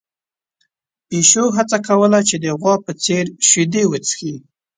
پيشو هڅه کوله چې د غوا په څېر شیدې وڅښي.